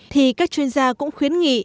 thì các chuyên gia cũng khuyến nghị